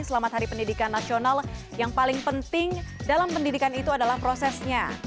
selamat hari pendidikan nasional yang paling penting dalam pendidikan itu adalah prosesnya